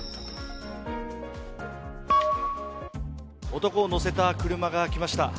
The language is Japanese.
男を乗せた車が来ました